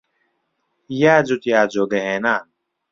یا جووت یا جۆگە هێنان